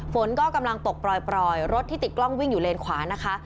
ฝนก็กำลังตกปล่อยรถที่ติดกล้องวิ่งอยู่เลนขวานะคะ